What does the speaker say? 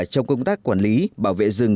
trong công tác quản lý bảo vệ rừng